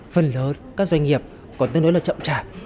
phần lớn các doanh nghiệp còn tương đối là chậm trả